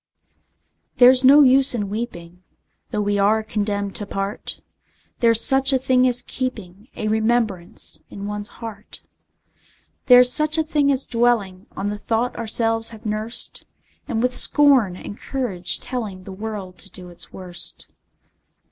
There's no use in weeping, Though we are condemned to part: There's such a thing as keeping A remembrance in one's heart: There's such a thing as dwelling On the thought ourselves have nursed, And with scorn and courage telling The world to do its worst.